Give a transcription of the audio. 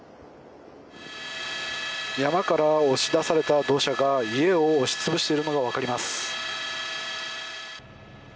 山から押し出された土砂が家を押しつぶしているのが分かります。